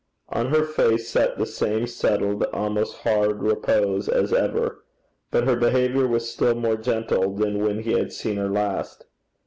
On her face sat the same settled, almost hard repose, as ever; but her behaviour was still more gentle than when he had seen her last.